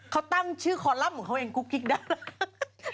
เขาตั้งชื่อคอลัมป์เหมือนเขาเองกุ๊กกิ๊กดารากัน